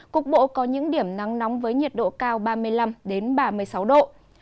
cục bộ có những điểm nắng nóng với nhiệt độ cao ba mươi năm ba mươi sáu độ